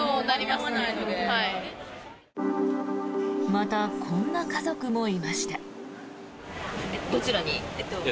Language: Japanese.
また、こんな家族もいました。